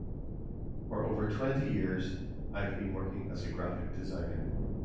For over twenty years, I’ve been working as a graphic designer.